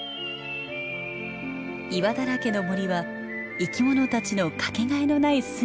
岩だらけの森は生き物たちのかけがえのない住みか。